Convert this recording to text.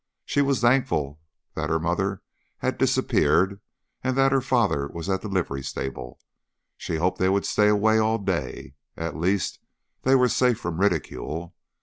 She was thankful that her mother had disappeared and that her father was at the livery stable; she hoped they would stay away all day. At least, they were safe from ridicule.